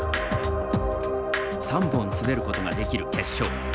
３本滑ることができる決勝。